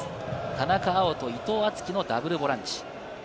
田中碧と伊藤敦樹のダブルボランチ。